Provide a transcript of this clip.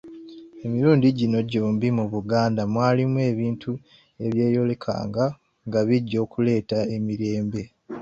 Emirundi gino gy’ombi mu Buganda mwalimu ebintu ebyeyolekanga nga bijja kuleeta emirerembe.